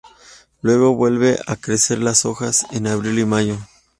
Luego vuelve a crecer las hojas, en abril y mayo.